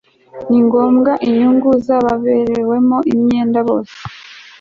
ni ngombwa inyungu z'ababerewemo imyenda bose